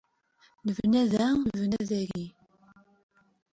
Nebna da. Nebna dahi.